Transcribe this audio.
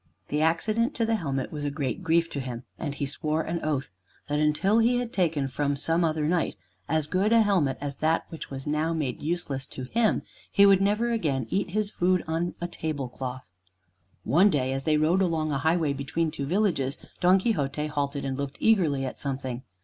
The accident to the helmet was a great grief to him, and he swore an oath that until he had taken from some other knight as good a helmet as that which was now made useless to him, he would never again eat his food on a table cloth. One day as they rode along a highway between two villages Don Quixote halted and looked eagerly at something.